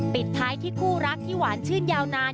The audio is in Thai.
ปิดท้ายที่คู่รักที่หวานชื่นยาวนาน